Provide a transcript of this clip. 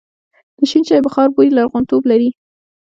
د شین چای بخار بوی لرغونتوب لري.